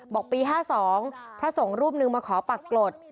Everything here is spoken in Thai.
บอกปี๕๒พระสงฆ์รูปนึงมาขอปากกรด